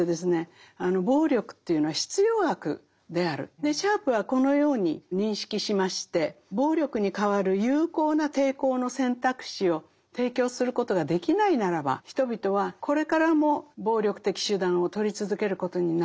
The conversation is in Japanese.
つまりシャープはこのように認識しまして暴力に代わる有効な抵抗の選択肢を提供することができないならば人々はこれからも暴力的手段をとり続けることになる。